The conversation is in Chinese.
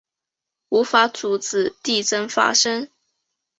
无法阻止地震发生